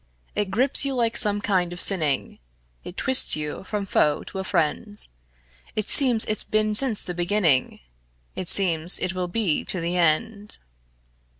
It grips you like some kinds of sinning; It twists you from foe to a friend; It seems it's been since the beginning; It seems it will be to the end.